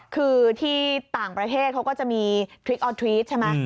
คือที่ต่างประเทศเขาก็จะมีคลิกออทรีสใช่ไหม